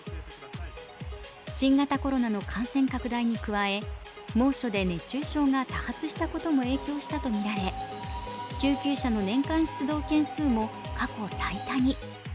新型コロナの感染拡大に加え猛暑で熱中症が多発したことも影響したとみられ、救急車の年間出動件数も過去最多に。